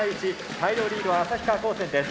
大量リードは旭川高専です。